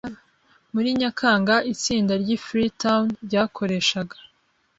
Muri Nyakanga itsinda ry i Freetown ryakoreshaga